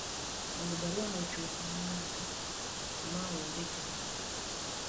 mondo baruano ochop ne ng'atno, ma onge chandruok